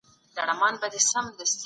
له هنداري څه بېــخاره دى لوېدلی